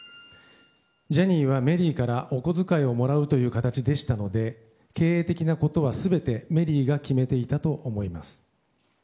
ジャニーはメリーからお小遣いをもらうという形でしたので経営的なことは全てメリーが決めていたと思います。